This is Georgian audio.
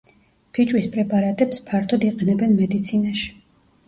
ფიჭვის პრეპარატებს ფართოდ იყენებენ მედიცინაში.